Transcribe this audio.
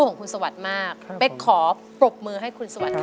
ของคุณสวรรค์มากเป็กขอปรบมือให้คุณสวรรค์ค่ะ